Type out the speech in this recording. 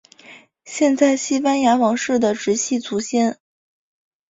现在西班牙王室的直系祖先。